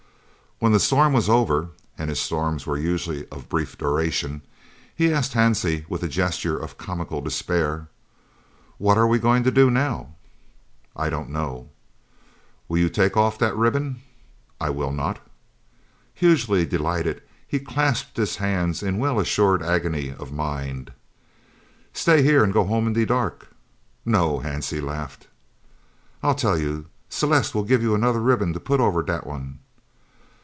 When the storm was over (and his storms were usually of brief duration) he asked Hansie, with a gesture of comical despair: "What are we going to do now?" "I don't know." "Will you take off dat ribbon?" "I will not." Hugely delighted, he clasped his hands in well assumed agony of mind. "Stay here and go home in de dark?" "No," Hansie laughed. "I'll tell you. Celeste will give you anudder ribbon to put over dat one."